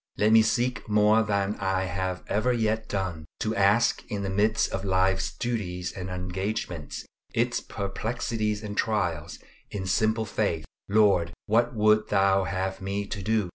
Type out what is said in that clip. Let me seek more than I have ever yet done, to ask in the midst of life's duties and engagements, its perplexities and trials, in simple faith, "Lord! what wouldst thou have me to do?"